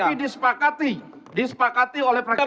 tapi disepakati disepakati oleh fraksi pks